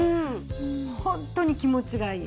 ホントに気持ちがいい。